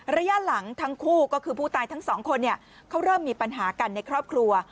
ระยะหลังทั้งคู่ก็คือผู้ตายทั้งสองคนเขาเริ่มมีปัญหากันในครอบครัว